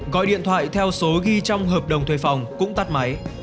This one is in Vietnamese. gọi điện thoại theo số ghi trong hợp đồng thuê phòng cũng tắt máy